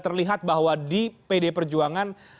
terlihat bahwa di pd perjuangan